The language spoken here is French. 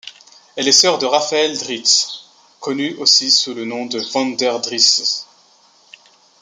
Elle est sœur de Raphaël Driesch, connu aussi sous le nom de Vandendriessche.